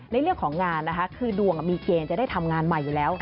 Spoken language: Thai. ในเรื่องของงานนะคะคือดวงมีเกณฑ์จะได้ทำงานใหม่อยู่แล้ว